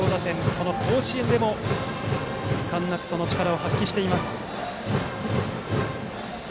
この甲子園でも、いかんなくその力を発揮しています。